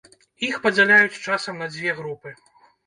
Іх падзяляюць часам на дзве групы.